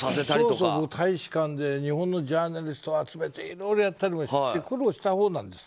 大使館で日本のジャーナリストを集めていろいろやったり苦労したほうなんです。